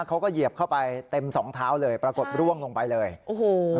เหยียบเข้าไปเต็มสองเท้าเลยปรากฏร่วงลงไปเลยโอ้โห